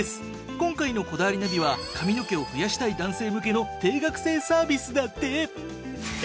今回の『こだわりナビ』は髪の毛を増やしたい男性向けの定額制サービスだって！